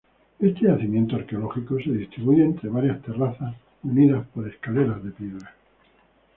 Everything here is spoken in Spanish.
Este yacimiento arqueológico se distribuye entre varias terrazas unidas por escaleras de piedra.